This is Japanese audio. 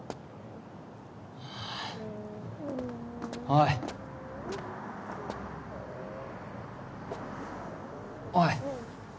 おいおい！